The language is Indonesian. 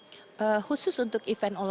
khusus untuk event olahraga